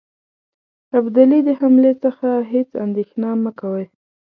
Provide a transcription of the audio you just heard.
ابدالي د حملې څخه هیڅ اندېښنه مه کوی.